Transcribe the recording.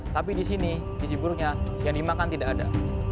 tapi di sini gizi buruknya yang dimakan tidak ada